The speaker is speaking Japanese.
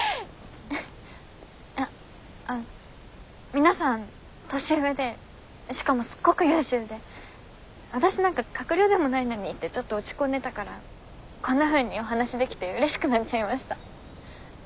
いや皆さん年上でしかもすっごく優秀で私なんか閣僚でもないのにってちょっと落ち込んでたからこんなふうにお話しできてうれしくなっちゃいました。